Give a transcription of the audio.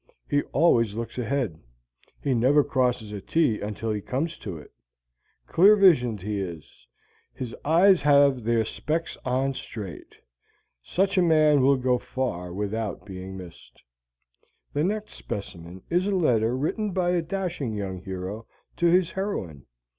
He always looks ahead; he never crosses a T until he comes to it. Clear visioned he is; his I's have their specks on straight. Such a man will go far without being missed. The next specimen is a letter written by the dashing young hero to the heroine.